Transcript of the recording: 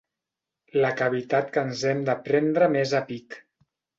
La cavitat que ens hem de prendre més a pit.